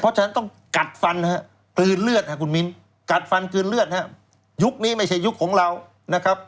เพราะฉะนั้นต้องกัดฟันคืนเลือดครับคุณมินคืนเลือดครับยุคนี้ไม่ใช่ยุคของเรานะครับ